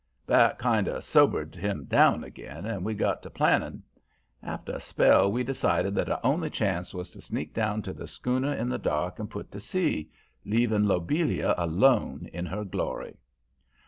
"That kind of sobered him down again, and we got to planning. After a spell, we decided that our only chance was to sneak down to the schooner in the dark and put to sea, leaving Lobelia alone in her glory.